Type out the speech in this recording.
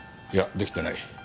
いや出来てない。